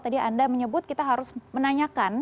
tadi anda menyebut kita harus menanyakan